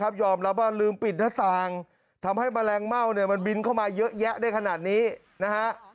คุณผู้ชมรับบ้านลืมปิดหน้าสางทำให้แมลงเม่ามันบินเข้ามาเยอะแยะได้ขนาดนี้นะฮะ